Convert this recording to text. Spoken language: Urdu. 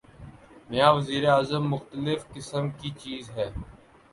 نیا وزیر اعظم مختلف قسم کی چیز ہے۔